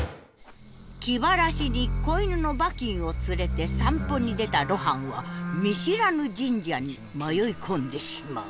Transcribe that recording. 気晴らしに子犬のバキンを連れて散歩に出た露伴は見知らぬ神社に迷い込んでしまう。